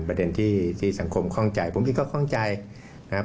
ประเด็นที่ที่สังคมคล่องใจผมเองก็คล่องใจนะครับ